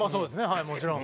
はいもちろん。